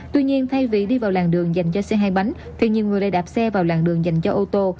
tuy nhiên thay vì đi vào làn đường dành cho xe hai bánh thì nhiều người lại đạp xe vào làng đường dành cho ô tô